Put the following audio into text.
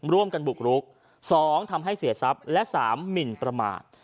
ร่วมกันบุกรุก๒ทำให้เสียทรัพย์และ๓หมินประมาท